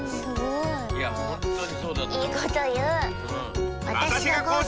いいこと言う。